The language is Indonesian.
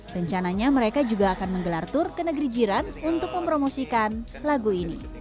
rencananya mereka juga akan menggelar tur ke negeri jiran untuk mempromosikan lagu ini